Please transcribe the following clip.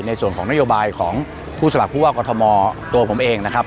ในส่วนของนโยบายของผู้สมัครผู้ว่ากรทมตัวผมเองนะครับ